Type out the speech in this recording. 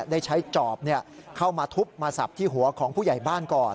ได้ใช้จอบเข้ามาทุบมาสับที่หัวของผู้ใหญ่บ้านก่อน